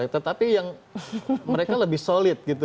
tetapi yang mereka lebih solid gitu